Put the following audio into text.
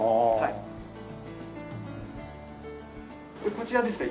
こちらですね